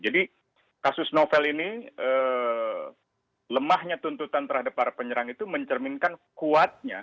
jadi kasus novel ini lemahnya tuntutan terhadap para penyerang itu mencerminkan kuatnya